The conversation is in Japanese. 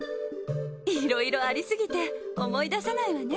いろいろありすぎて思い出せないわね。